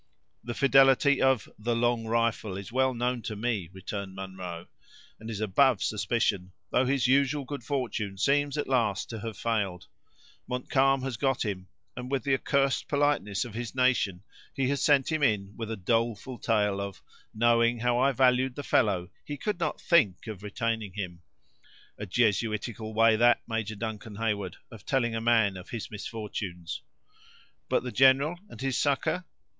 "The fidelity of 'The Long Rifle' is well known to me," returned Munro, "and is above suspicion; though his usual good fortune seems, at last, to have failed. Montcalm has got him, and with the accursed politeness of his nation, he has sent him in with a doleful tale, of 'knowing how I valued the fellow, he could not think of retaining him.' A Jesuitical way that, Major Duncan Heyward, of telling a man of his misfortunes!" "But the general and his succor?"